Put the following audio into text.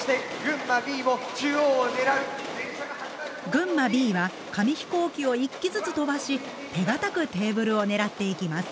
群馬Ｂは紙飛行機を１機ずつ飛ばし手堅くテーブルを狙っていきます。